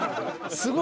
すごい。